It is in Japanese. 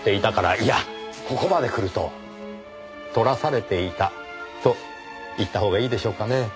いやここまでくると撮らされていたと言ったほうがいいでしょうかね。